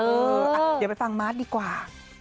เดี๋ยวมาไปฟังมาธดีกว่า